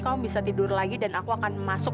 kamu bisa tidur lagi dan aku akan masuk